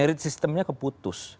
merit sistemnya keputus